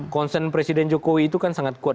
concern presiden jokowi itu kan sangat kuat